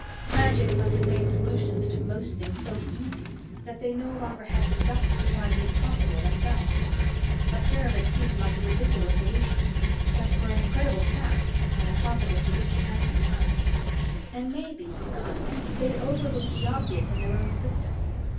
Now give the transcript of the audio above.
Magic must have made solutions to most things so easy that they no longer had the guts to try the impossible themselves. A pyramid seemed like a ridiculous solution, but for an incredible task, an impossible solution had to be tried. And maybe, he thought, they'd overlooked the obvious in their own system.